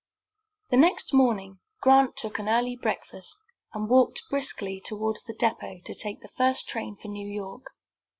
The next morning Grant took an early breakfast, and walked briskly toward the depot to take the first train for New York.